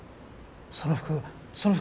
その服その服